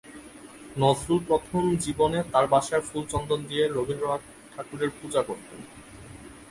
নজরুল প্রথম জীবনে তাঁর বাসায় ফুলচন্দন দিয়ে রবীন্দ্রনাথ ঠাকুরের পূজা করতেন।